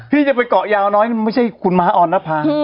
ที่จะไปเกาะยาวน้อยนี่ไม่ใช่คุณม้าออนภา